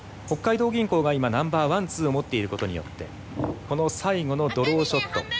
北海道銀行が今ＮＯ．１２を持っていることによってこの最後のドローショット。